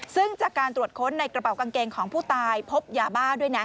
ซึ่งจากการตรวจค้นในกระเป๋ากางเกงของผู้ตายพบยาบ้าด้วยนะ